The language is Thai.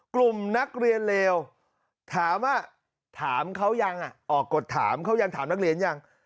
กลุ่มนักเรียนเลวถามว่าถามเขายังออกกฎถามเขายังถามนักเรียนยัง